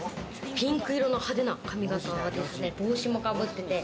ピンク色の派手な髪形ですね、帽子もかぶってて。